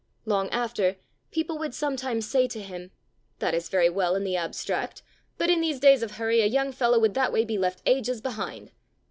Long after, people would sometimes say to him "That is very well in the abstract; but in these days of hurry a young fellow would that way be left ages behind!"